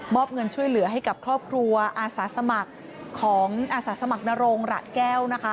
อบเงินช่วยเหลือให้กับครอบครัวอาสาสมัครของอาสาสมัครนโรงระแก้วนะคะ